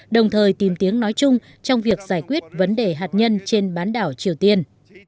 đồng thời tìm tiếng nói chung trong việc giải quyết vấn đề hạt nhân trên bán đảo triều tiên